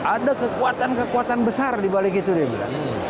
ada kekuatan kekuatan besar dibalik itu dia bilang